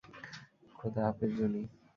খোদা হাফেজ, জুনি।